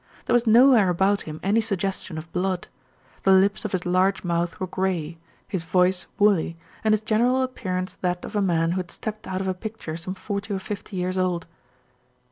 There was nowhere about him any suggestion of blood. The lips of his large mouth were grey, his voice woolly, and his general appearance that of a man who had stepped out of a picture some forty or fifty years old.